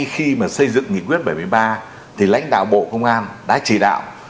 khi mà xây dựng nghị quyết bảy mươi ba thì lãnh đạo bộ công an đã chỉ đạo